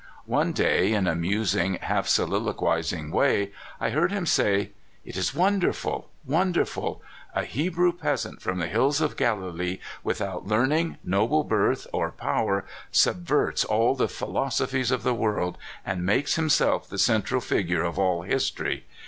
One clay, in a musing, half soliloquizing way, I heard him say: "It is wonderful, wonderful ! a Hebrew peasant from the hills of Galilee, without learning, noble birth, or power, subverts all the philosophies of 156 CALIFORNIA SKETCHES. the world, and makes himself the central figure of all history.